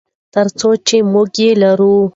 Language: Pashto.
تر څو چې موږ یې لرو.